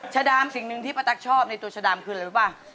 ชาดามสิ่งหนึ่งที่ป้าตั๊กชอบในตัวชะดามคืออะไรรู้ป่ะ